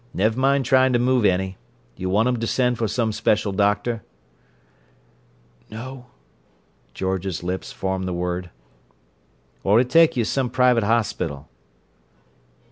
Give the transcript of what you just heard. Nev' mind tryin' to move any. You want 'em to send for some special doctor?" "No." George's lips formed the word. "Or to take you to some private hospital?"